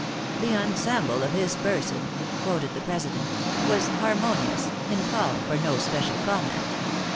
"'The ensemble of his person,'" quoted the president, "'was harmonious, and called for no special comment.